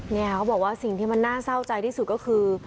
นี่ค่ะเขาบอกว่าสิ่งที่มันน่าเศร้าใจที่สุดก็คือ